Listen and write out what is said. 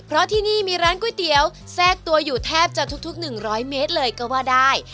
เพราะที่นี่มีร้านก๋วยเตี๋ยวแทบจะทุกหนึ่งร้อยเมตรเลยก็ว่าได้